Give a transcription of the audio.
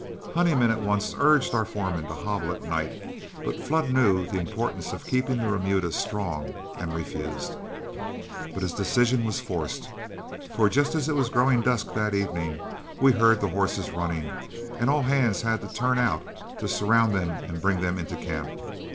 Honeyman at once urged our foreman to hobble at night, but Flood knew the importance of keeping the remuda strong, and refused. But his decision was forced, for just as it was growing dusk that evening, we heard the horses running, and all hands had to turn out, to surround them and bring them into camp.